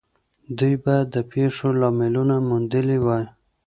دوی بايد د پېښو لاملونه موندلي وای.